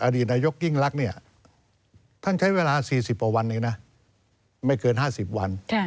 อดีตนายกยิ่งรักเนี่ยท่านใช้เวลา๔๐กว่าวันเองนะไม่เกิน๕๐วัน